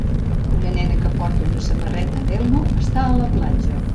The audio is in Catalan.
Una nena que porta una samarreta d'Elmo està a la platja.